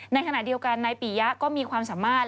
ในขณะเดียวกันนายปียะก็มีความสามารถ